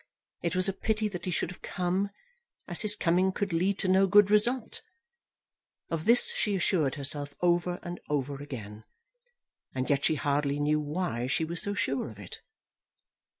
It was a pity that he should have come, as his coming could lead to no good result. Of this she assured herself over and over again, and yet she hardly knew why she was so sure of it.